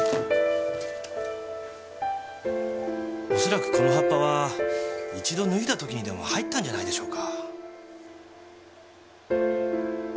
恐らくこの葉っぱは一度脱いだ時にでも入ったんじゃないでしょうか。